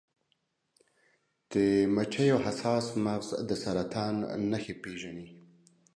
د مچیو حساس مغز د سرطان نښې پیژني.